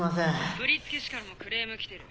振付師からもクレーム来てる。